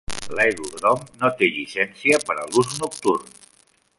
L'aeròdrom no té llicència per a l'ús nocturn.